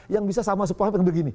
yang bisa sama supaya begini